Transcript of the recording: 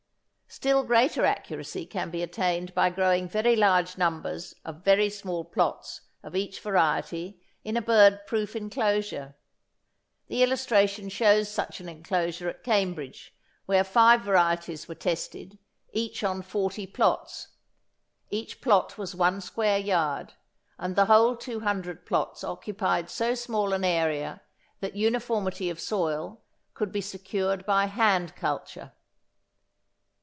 Still greater accuracy can be attained by growing very large numbers of very small plots of each variety in a bird proof enclosure. The illustration shows such an enclosure at Cambridge where five varieties were tested, each on 40 plots. Each plot was one square yard, and the whole 200 plots occupied so small an area that uniformity of soil could be secured by hand culture.